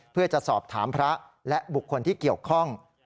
เพื่อจะสอบถามพระและบุคคลที่เกี่ยวข้อง